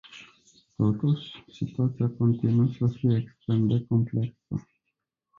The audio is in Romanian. Totuși, situația continuă să fie extrem de complexă.